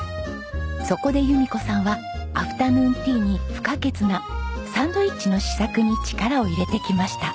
そこで弓子さんはアフタヌーンティーに不可欠なサンドイッチの試作に力を入れてきました。